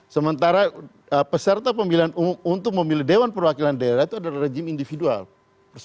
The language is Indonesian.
sementara peserta pemilihan umum untuk memilih dewan perwakilan daerah itu adalah rejim individual